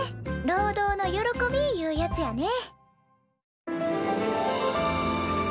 労働の喜びいうやつやね。